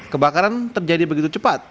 kebakaran terjadi begitu cepat